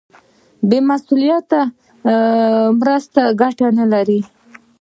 بې مسولیته مرستې ګټه نه لري.